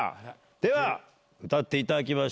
では歌っていただきましょう。